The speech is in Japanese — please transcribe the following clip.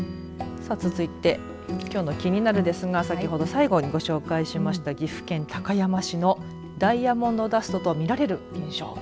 さあ続いてきょうのキニナル！ですが先ほど最後にご紹介しました岐阜県高山市のダイヤモンドダストと見られる現象。